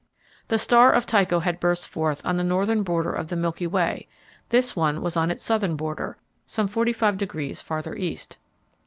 The star of Tycho had burst forth on the northern border of the Milky Way; this one was on its southern border, some forty five degrees farther east.